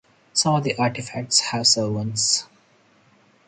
Some of the artifacts have servants.